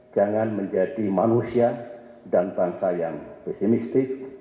jangan menjadi manusia dan bangsa yang pesimistik